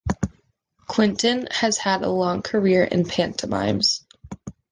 Quinten has had a long career in pantomimes.